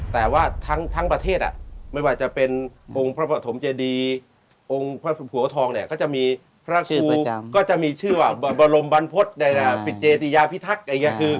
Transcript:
แต่ว่าทั้งประเทศไม่ว่าจะเป็นองค์พระบาทมเจดีย์องค์ผัวทองเนี่ยก็จะมีพระราชุมก็จะมีชื่อบรรลมบรรพฤตในปิเจติยาพิทักษ์